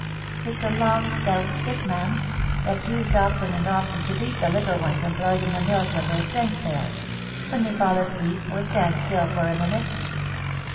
" It's a long stout stick, ma'am, that's used often and often to beat the little ones employed in the mills when their strength fails — when they fall asleep, or stand still for a minute."